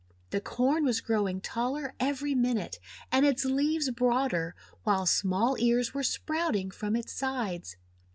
The Corn was growing taller every minute, and its leaves broader, while small ears were sprouting from its sides.